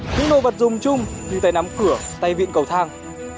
những đồ vật dùng chung như tay nắm cửa tay viện cầu thang